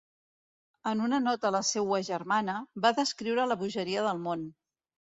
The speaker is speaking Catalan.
En una nota a la seua germana, va descriure la bogeria del món.